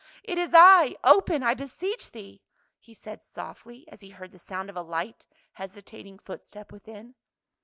" It is I, open, I beseech thee !" he said softly, as he heard the sound of a light hesitating footstep within.